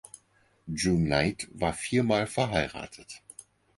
June Knight war viermal verheiratet.